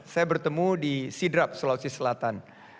saya bertemu di sidrap sulawesi selatan